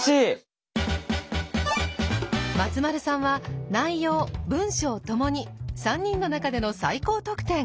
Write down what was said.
松丸さんは内容文章ともに３人の中での最高得点。